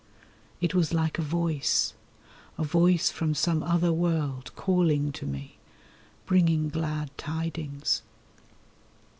It was like a Voice, a Voice from some other world calling to me, Bringing glad tidings.